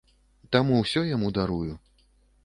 Таму ўсё яму дарую.